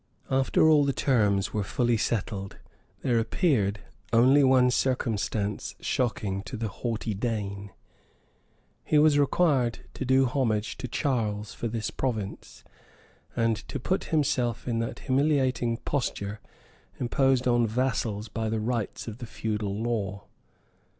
After all the terms were fully settled, there appeared only one circumstance shocking to the haughty Dane: he was required to do homage to Charles for this province, and to put himself in that humiliating posture imposed on vassals by the rites of the feudal law.